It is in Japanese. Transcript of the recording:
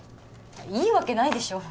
いいわけないでしょ